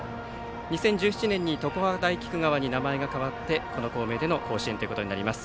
２０１７年に常葉大菊川に名前が変わってこの校名での甲子園となります。